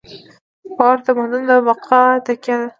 باور د تمدن د بقا تکیه ده.